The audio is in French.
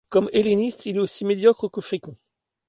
Comme helléniste, il est aussi médiocre que fécond.